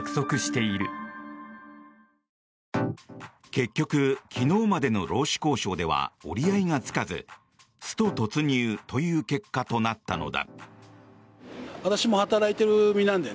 結局、昨日までの労使交渉では折り合いがつかずスト突入という結果となったのだ。